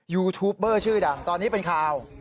ยูทูปเบอร์ชื่อดังตอนนี้เป็นข่าว